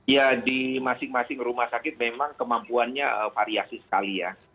ya di masing masing rumah sakit memang kemampuannya variasi sekali ya